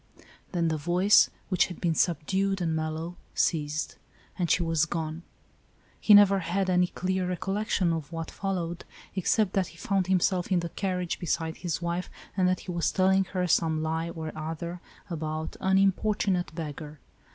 Then the voice, which had been subdued and mellow, ceased ; and she was gone. He never had any clear recollection of what followed, except that he found himself in the carriage, beside his wife, and that he was telling her some lie or other, about " an importunate beggar."